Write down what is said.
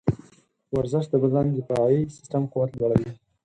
ورزش د بدن د دفاعي سیستم قوت لوړوي.